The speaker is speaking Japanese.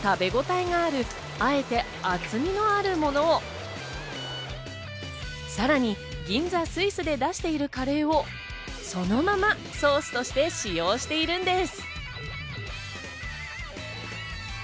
中に挟むカツは、バンズに挟んでも食べごたえがある、あえて厚みのあるものをさらに銀座スイスで出しているカレーをそのままソースとして使用しているんです。